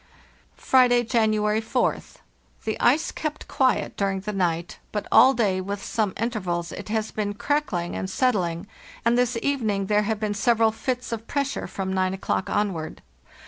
"Friday, January 4th. The ice kept quiet during the night, but all day, with some intervals, it has been crack ling and settling, and this evening there have been sev eral fits of pressure from g o'clock onward.